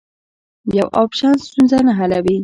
یو اپشن ستونزه نه حلوي.